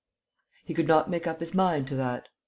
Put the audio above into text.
He could not make up his mind to that.